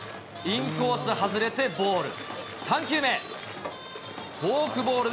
インコース外れてボール。